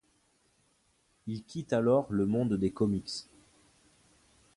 Il quitte alors le monde des comics.